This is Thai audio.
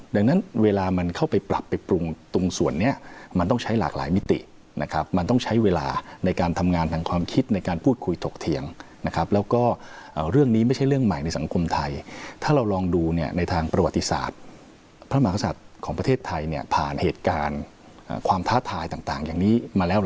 ดังนั้นเวลามันเข้าไปปรับไปปรุงตรงส่วนนี้มันต้องใช้หลากหลายมิตินะครับมันต้องใช้เวลาในการทำงานทางความคิดในการพูดคุยถกเถียงนะครับแล้วก็เรื่องนี้ไม่ใช่เรื่องใหม่ในสังคมไทยถ้าเราลองดูเนี่ยในทางประวัติศาสตร์พระมหากษัตริย์ของประเทศไทยเนี่ยผ่านเหตุการณ์ความท้าทายต่างอย่างนี้มาแล้ว